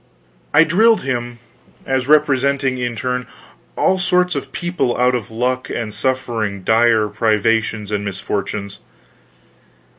I drilled him as representing in turn all sorts of people out of luck and suffering dire privations and misfortunes.